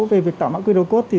về việc tạo mã qr code